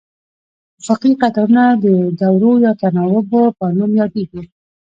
افقي قطارونه د دورو یا تناوبونو په نوم یادیږي.